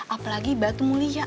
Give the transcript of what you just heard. apalagi batu mulia